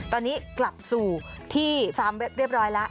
ตอนนี้กลับสู่ที่ฟาร์มเรียบร้อยแล้ว